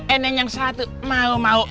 eh nangis yang satu mau mau